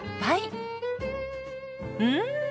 うん！